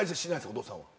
お父さんは。